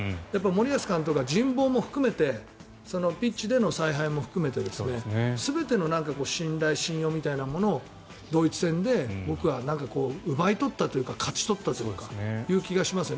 森保監督は人望も含めてピッチでの采配も含めて全ての信頼、信用みたいなものをドイツ戦で僕は奪い取ったというか勝ち取ったというかそういう気がします。